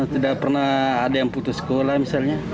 tidak pernah ada yang putus sekolah misalnya